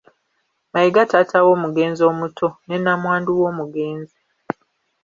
Mayiga taata w’omugenzi omuto, ne namwandu w’omugenzi.